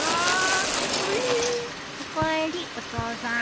おかえりお父さん。